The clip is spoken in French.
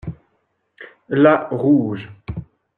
La rouge.